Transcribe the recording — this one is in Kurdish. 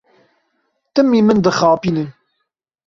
Timî min dixapînin.